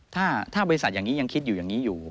ถ้าบริษัทอย่างนี้ยังคิดอยู่อยู่